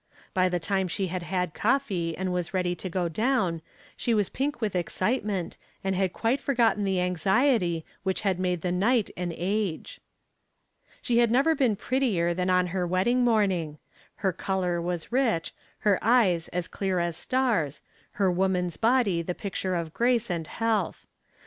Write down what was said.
By the time she had had coffee and was ready to go down, she was pink with excitement and had quite forgotten the anxiety which had made the night an age. She had never been prettier than on her wedding morning. Her color was rich, her eyes as clear as stars, her woman's body the picture of grace and health.